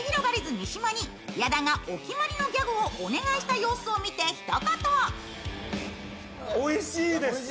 三島に矢田がお決まりのギャグをお願いした様子を見て一言。